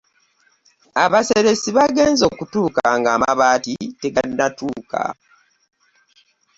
Abaseresi baagenze okutuuka ng'amabaati tegannatuuka.